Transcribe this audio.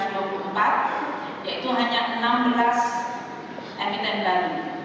yaitu hanya enam belas emiten baru